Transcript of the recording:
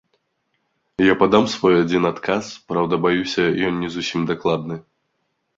Я падам свой адзін адказ, праўда, баюся, ён не зусім дакладны.